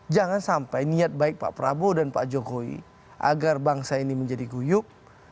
jangan sampai niat baik pak prabowo dan pak jokowi agar bangsa ini menjadi guyuk